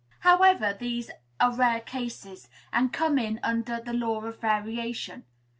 However, these are rare cases, and come in under the law of variation.